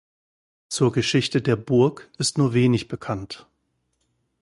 Zur Geschichte der Burg ist nur wenig bekannt.